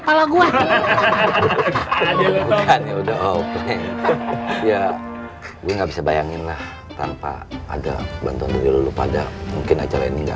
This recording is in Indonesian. pala gua ya gue nggak bisa bayangin lah tanpa ada bantuan dulu pada mungkin acara ini nggak